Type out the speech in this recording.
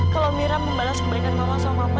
kalau mira membalas kebaikan mama sama papa